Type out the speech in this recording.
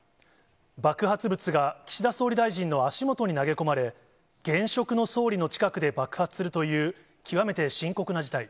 爆発物が岸田総理大臣の足元に投げ込まれ、現職の総理の近くで爆発するという、極めて深刻な事態。